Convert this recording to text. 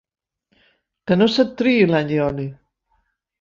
Que no se't triï l'allioli.